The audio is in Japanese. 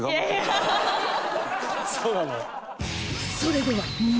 そうなの？